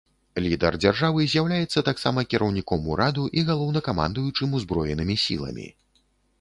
Лідар дзяржавы з'яўляецца таксама кіраўніком ураду і галоўнакамандуючым узброенымі сіламі.